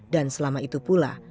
dan selama itu pula